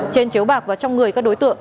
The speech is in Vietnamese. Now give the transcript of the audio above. trên chiếu bạc và trong người các đối tượng